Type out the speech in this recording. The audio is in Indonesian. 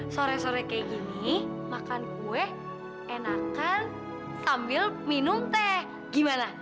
sore sore kayak gini makan kue enakan sambil minum teh gimana